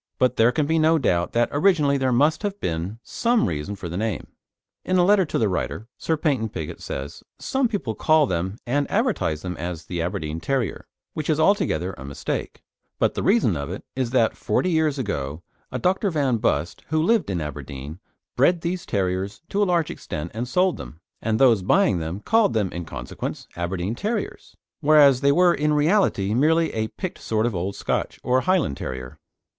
But there can be no doubt that originally there must have been some reason for the name. In a letter to the writer, Sir Paynton Pigott says, "Some people call them and advertise them as the Aberdeen Terrier, which is altogether a mistake; but the reason of it is that forty years ago a Dr. Van Bust, who lived in Aberdeen, bred these terriers to a large extent and sold them, and those buying them called them, in consequence, 'Aberdeen Terriers,' whereas they were in reality merely a picked sort of Old Scotch or Highland Terrier."